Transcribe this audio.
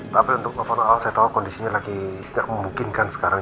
tapi untuk formal saya tahu kondisinya lagi tidak memungkinkan sekarang